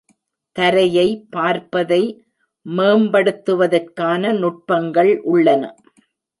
தரையை பார்ப்பதை மேம்படுத்துவதற்கான நுட்பங்கள் உள்ளன.